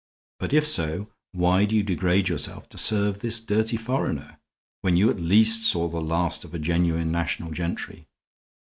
But if so, why do you degrade yourself to serve this dirty foreigner, when you at least saw the last of a genuine national gentry?